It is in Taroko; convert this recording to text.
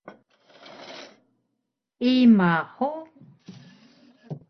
Ima hug?